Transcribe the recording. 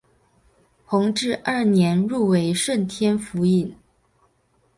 弘治二年入为顺天府尹。